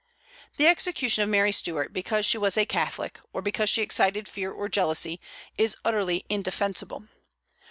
The execution of Mary Stuart because she was a Catholic, or because she excited fear or jealousy, is utterly indefensible.